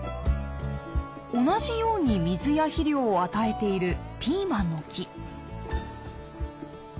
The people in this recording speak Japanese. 同じように水や肥料を与えているピーマンの木。